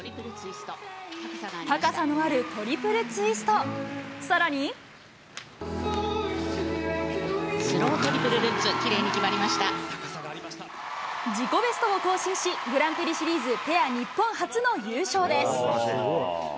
スロウトリプルルッツ、自己ベストを更新し、グランプリシリーズペア日本初の優勝です。